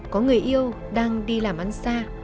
có người yêu đang đi làm ăn xa